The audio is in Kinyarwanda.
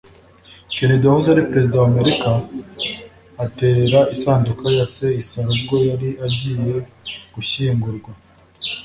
Kennedy (wahoze ari perezida wa Amerika) aterera isanduku ya se isari ubwo yari agiye gushyingurwwa